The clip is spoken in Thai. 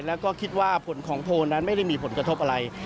แล้วก็คิดว่าผลของโพลนั้นไม่ได้มีผลกระทบอะไร